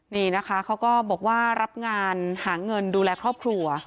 นี่นะคะเขาก็บอกว่ารับงานหาเงินดูแลครอบครัว